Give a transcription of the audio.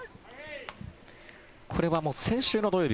これはもう、先週の土曜日